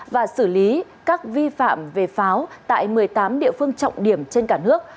và xử lý các vi phạm về pháo tại một mươi tám địa phương trọng điểm trên cả nước